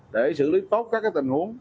để xử lý tốt các tình huống